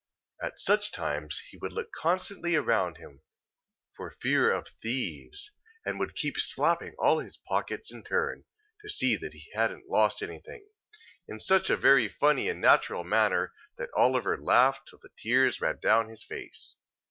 At such times, he would look constantly round him, for fear of thieves, and would keep slapping all his pockets in turn, to see that he hadn't lost anything, in such a very funny and natural manner, that Oliver laughed till the tears ran down his face.